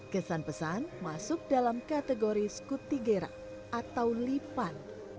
kesan pesan masuk dalam kategori skutigera atau lipan